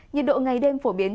nhiệt độ ngày đêm phổ biến